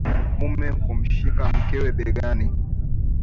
Mume kumshika mkewe begani